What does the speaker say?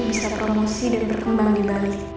bisa promosi dan terkembang di bali